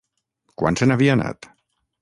Quan se n'havia anat?